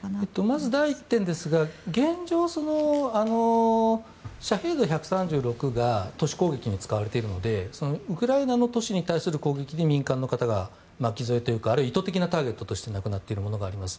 まず、第１点ですが現状、シャヘド１３６が都市攻撃に使われているのでウクライナの都市に対する攻撃で民間の方が巻き添えというか意図的なターゲットとして亡くなっているものがあります。